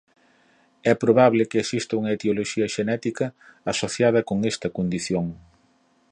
É probable que exista unha etioloxía xenética asociada con esta condición.